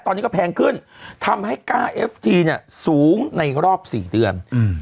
ตอนนี้ก็แพงขึ้นทำให้ค่าเอฟทีเนี่ยสูงในรอบ๔เดือน